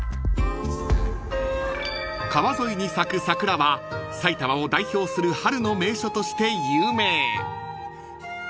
［川沿いに咲く桜は埼玉を代表する春の名所として有名］